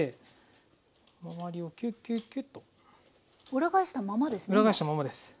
裏返したまんまです。